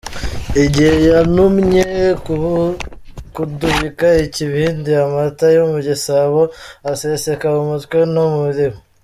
Igihe yunamye kudubika ikibindi, amata yo mu gisabo aseseka mu mutwe no mu iriba.